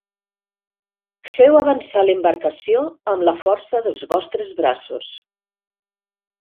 Feu avançar l'embarcació amb la força dels vostres braços.